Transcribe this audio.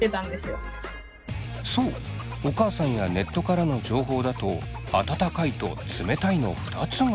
そうお母さんやネットからの情報だと「温かい」と「冷たい」の２つが。